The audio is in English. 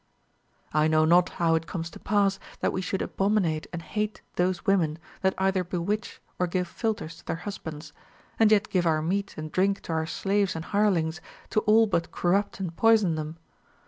I know not how it comes to pass that we should abominate and hate those women that either bewitch or give philters to their husbands, and yet give our meat and drink to our slaves and hirelings, to all but corrupt and poison them.